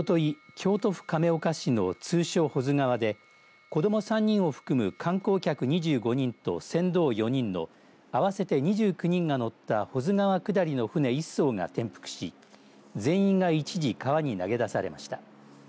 京都府亀岡市の通称、保津川で子ども３人を含む観光客２５人と船頭４人の合わせて２９人が乗った保津川下りの舟１そうが転覆し全員が一時川に投げ出されました。